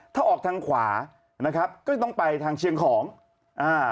ถ้าออกทางขวานะครับก็จะต้องไปทางเชียงของอ่า